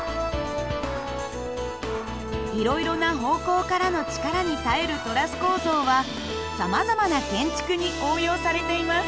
いろいろな方向からの力に耐えるトラス構造はさまざまな建築に応用されています。